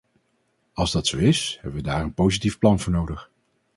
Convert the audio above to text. Als dat zo is, hebben we daar een positief plan voor nodig.